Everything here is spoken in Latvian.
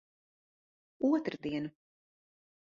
Otrdiena.